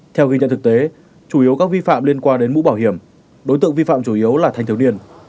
theo ghi nhận thực tế chủ yếu các vi phạm liên quan đến mũ bảo hiểm đối tượng vi phạm chủ yếu là thanh thiếu niên